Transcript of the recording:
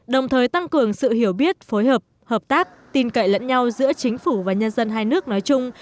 đồng thời tăng cường sự hiểu biết phối hợp hợp tác tin cậy lẫn nhau giữa chính phủ và nhân dân hai nước nói chung